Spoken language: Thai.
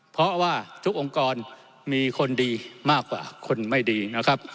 เพราะว่าทุกองค์กรมีคนดีมากกว่าคนไม่ดีนะครับ